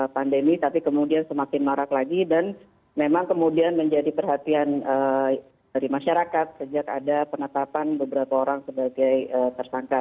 pandemi tapi kemudian semakin marak lagi dan memang kemudian menjadi perhatian dari masyarakat sejak ada penetapan beberapa orang sebagai tersangka